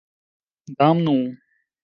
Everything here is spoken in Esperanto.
Damnu!